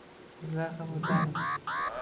Bizlar ham o’tamiz